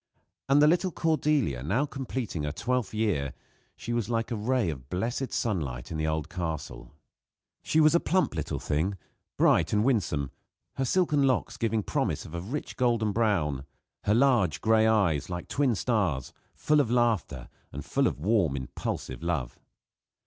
And the little Cordelia, now completing her twelfth year she was like a ray of blessed sunlight in the old castle. She was a plump little thing, bright and winsome, her silken locks giving promise of a rich golden brown; her large gray eyes, like twin stars, full of laughter and full of warm, impulsive love.